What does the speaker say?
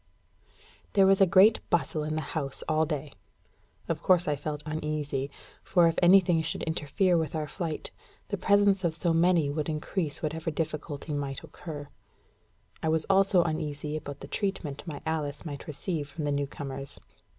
There was a great bustle in the house all day. Of course I felt uneasy, for if anything should interfere with our flight, the presence of so many would increase whatever difficulty might occur. I was also uneasy about the treatment my Alice might receive from the new comers.